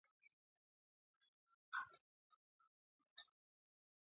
د جسم ارتفاع پنځلس سانتي متره په پام کې نیول کیږي